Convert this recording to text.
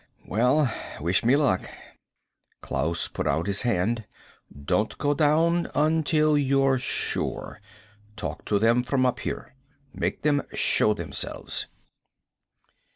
"Well, wish me luck." Klaus put out his hand. "Don't go down until you're sure. Talk to them from up here. Make them show themselves."